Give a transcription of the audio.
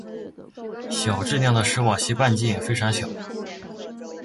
小质量的史瓦西半径也非常小。